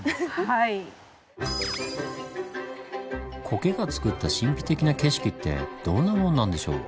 コケがつくった神秘的な景色ってどんなものなんでしょう？